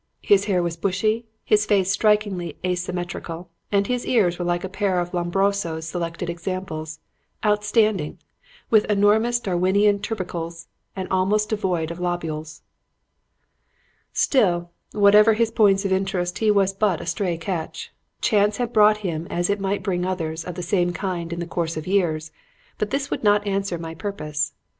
His hair was bushy, his face strikingly asymmetrical, and his ears were like a pair of Lombroso's selected examples; outstanding, with enormous Darwinian tubercles and almost devoid of lobules. "Still, whatever his points of interest, he was but a stray catch. Chance had brought him as it might bring others of the same kind in the course of years. But this would not answer my purpose.